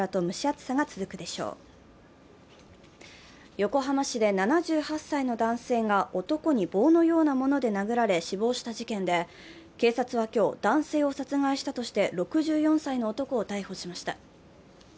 横浜市で７８歳の男性が男に棒のようなもので殴られ死亡した事件で、警察は今日、男性を殺害したとして６４歳の男を逮捕しました。